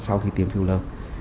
sau khi tiêm filler